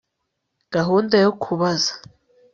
gahunda yo kubaza